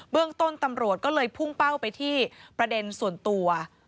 เรื่องต้นตำรวจก็เลยพุ่งเป้าไปที่ประเด็นส่วนตัว